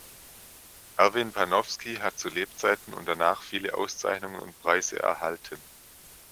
Erwin Panofsky hat zu Lebzeiten und danach viele Auszeichnungen und Preise erhalten.